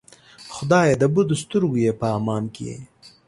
خدایه د بدو سترګو یې په امان کې.